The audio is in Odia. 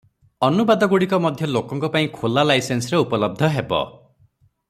ଅନୁବାଦଗୁଡ଼ିକ ମଧ୍ୟ ଲୋକଙ୍କ ପାଇଁ ଖୋଲା ଲାଇସେନ୍ସରେ ଉପଲବ୍ଧ ହେବ ।